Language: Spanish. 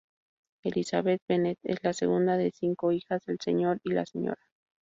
Elizabeth Bennet es la segunda de cinco hijas del Sr. y la Sra.